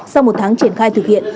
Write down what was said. sau một tháng triển khai thực hiện